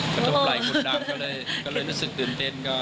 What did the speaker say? กระทบไหล่คุณดำก็เลยรู้สึกตื่นเต้น